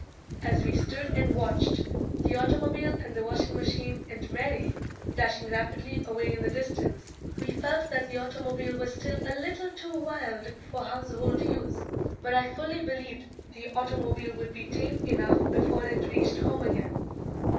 As we stood and watched the automobile and the washing machine and Mary dashing rapidly away in the distance, we felt that the automobile was still a little too wild for household use, but I fully believed the automobile would be tame enough before it reached home again.